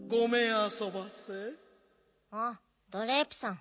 ああドレープさん。